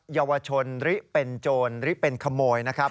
เยาวชนริเป็นโจรหรือเป็นขโมยนะครับ